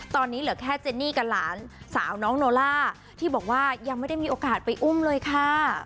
ตอนนี้เหลือแค่เจนนี่กับหลานสาวน้องโนล่าที่บอกว่ายังไม่ได้มีโอกาสไปอุ้มเลยค่ะ